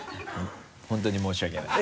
本当に申し訳ない。